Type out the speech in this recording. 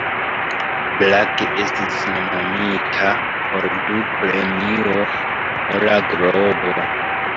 Black estis nomumita por du Premio Ora Globo.